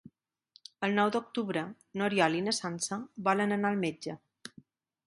El nou d'octubre n'Oriol i na Sança volen anar al metge.